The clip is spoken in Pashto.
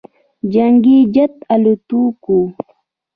جنګي جت الوتکو